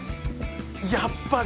やっぱり！